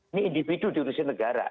ini individu diurusin negara